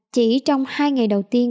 chỉ trong hai ngày đầu tiên